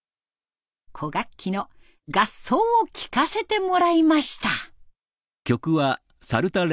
古楽器の合奏を聴かせてもらいました。